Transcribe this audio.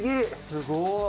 すごい。